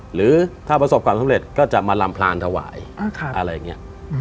หรือถ้าประสบความสำเร็จก็จะมาลำพลานถวายอะไรอย่างนี้